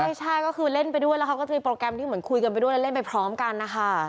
ไม่ใช่ก็คือเล่นไปด้วยแล้วเขาก็จะมีโปรแกรมที่เหมือนคุยกันไปด้วยแล้วเล่นไปพร้อมกันนะคะ